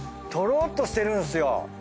とろっとしてるんすよ。